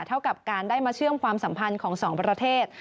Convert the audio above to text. เท่ากับการได้มาเชื่อมความสัมพันธ์ของสองประเทศ